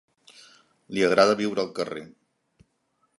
Li agrada viure al carrer.